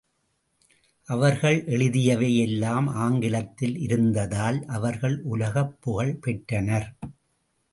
அவர்கள் எழுதியவை எல்லாம் ஆங்கிலத்தில் இருந்ததால் அவர்கள் உலகப் புகழ் பெற்றனர்.